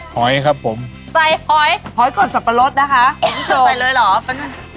หอยครับผมใส่หอยหอยก่อนสับปะรดนะคะใส่เลยเหรอ